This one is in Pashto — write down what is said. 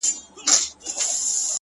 • معلم وپوښتی حکمت په زنګوله کي ,